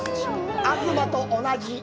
東と同じ。